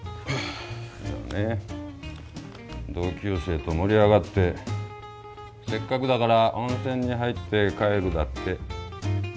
いやね同級生と盛り上がってせっかくだから温泉に入って帰るだって。